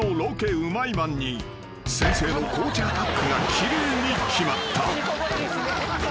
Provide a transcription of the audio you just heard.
うまいマンに先制の紅茶アタックが奇麗に決まった］